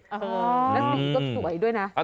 แล้วสีก็สวยด้วยนะ